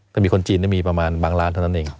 ถ้ามีคนจีนมีประมาณบางล้านเท่านั้นเอง